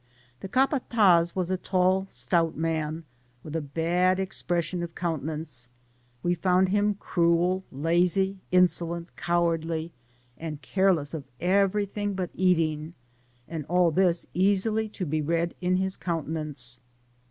The capataz was a tall, stout man, with a bad expression of countenance : we found him cruel, lazy, insolent, cowardly, and careless of everything but eating, and all this easily to be read in his countenance.